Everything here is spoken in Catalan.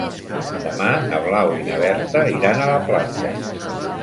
Demà na Blau i na Berta iran a la platja.